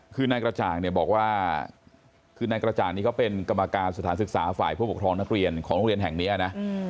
คือนายกระจ่างเนี่ยบอกว่าคือนายกระจ่างนี้เขาเป็นกรรมการสถานศึกษาฝ่ายผู้ปกครองนักเรียนของโรงเรียนแห่งนี้นะ